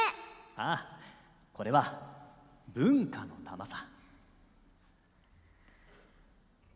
ああこれは「文化の玉」さ。